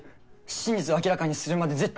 真実を明らかにするまで絶対。